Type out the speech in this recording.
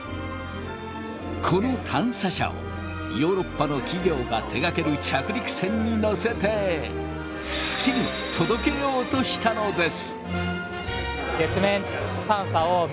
この探査車をヨーロッパの企業が手がける着陸船に載せて月に届けようとしたのです。